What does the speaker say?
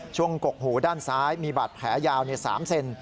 กกหูด้านซ้ายมีบาดแผลยาว๓เซน